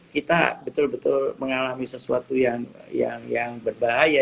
kita betul betul mengalami sesuatu yang berbahaya